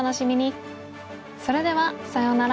それではさようなら！